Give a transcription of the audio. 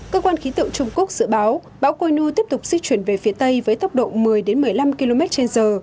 cơ quan khí tượng trung quốc dự báo bão coi nu tiếp tục di chuyển về phía tây với tốc độ một mươi một mươi năm km trên giờ